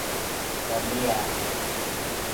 bon dia